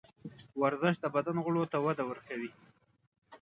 ورزش د بدن غړو ته وده ورکوي.